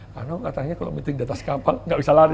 karena katanya kalau meeting di atas kapal nggak bisa lari